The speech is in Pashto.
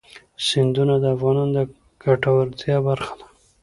سیندونه د افغانانو د ګټورتیا برخه ده.